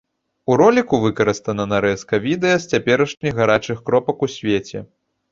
У роліку выкарыстана нарэзка відэа з цяперашніх гарачых кропак у свеце.